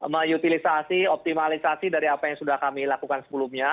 mengutilisasi optimalisasi dari apa yang sudah kami lakukan sebelumnya